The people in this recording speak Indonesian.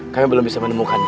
kami belum bisa menemukannya